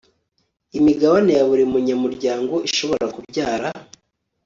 imigabane ya buri munyamuryango ishobora kubyara